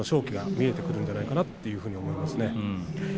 勝機が見えてくるんじゃないかなと思うんですね。